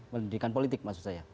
pendidikan politik maksud saya